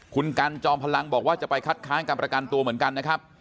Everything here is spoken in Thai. คุณกันจอมพลังบอกว่าจะไปคัดค้างการประกันตัวเหมือนกันนะครับ